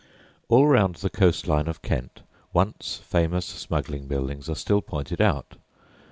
All round the coast line of Kent once famous smuggling buildings are still pointed out.